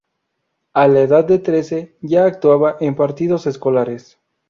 A la edad de trece, ya actuaba en partidos escolares.